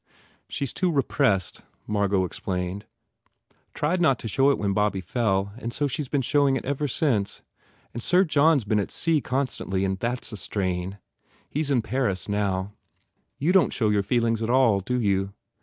"She s too repressed," Margot explained, "Tried not to show it when Bobby fell and so she s been showing it ever since. And Sir John s been at sea constantly and that s a strain. He s in Paris, now. You don t show your feelings at all, do you?